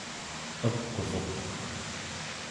eq'vuq